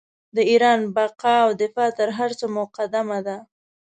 د ایران بقا او دفاع تر هر څه مقدمه ده.